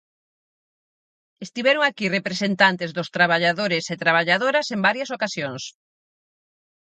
Estiveron aquí representantes dos traballadores e traballadoras en varias ocasións.